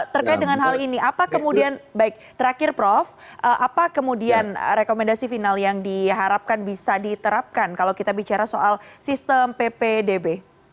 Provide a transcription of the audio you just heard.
terkait dengan hal ini apa kemudian baik terakhir prof apa kemudian rekomendasi final yang diharapkan bisa diterapkan kalau kita bicara soal sistem ppdb